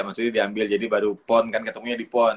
maksudnya diambil jadi baru pon kan ketemunya di pon